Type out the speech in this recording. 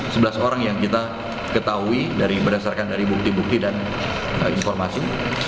sebelas orang yang kita ketahui berdasarkan dari bukti bukti dan informasi